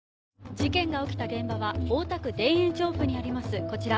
事件が起きた現場は大田区田園調布にありますこちら。